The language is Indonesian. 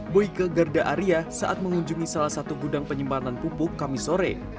boike garda aria saat mengunjungi salah satu gudang penyimpanan pupuk kamisore